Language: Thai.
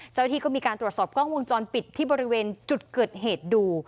เจ้าหน้าที่ก็มีการตรวจสอบกล้องวงจรปิดที่บริเวณจุดเกิดเหตุดู